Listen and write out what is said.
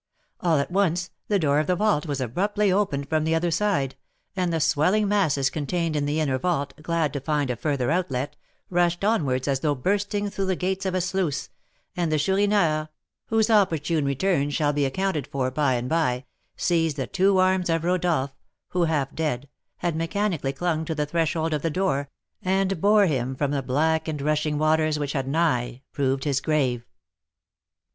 All at once the door of the vault was abruptly opened from the other side, and the swelling masses contained in the inner vault, glad to find a further outlet, rushed onwards as though bursting through the gates of a sluice, and the Chourineur, whose opportune return shall be accounted for by and by, seized the two arms of Rodolph, who, half dead, had mechanically clung to the threshold of the door, and bore him from the black and rushing waters which had nigh proved his grave.